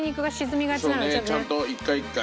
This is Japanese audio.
ちゃんと１回１回。